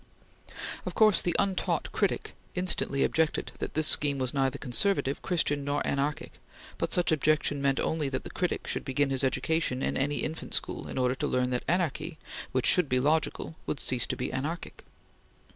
Of course the untaught critic instantly objected that this scheme was neither conservative, Christian, nor anarchic, but such objection meant only that the critic should begin his education in any infant school in order to learn that anarchy which should be logical would cease to be anarchic.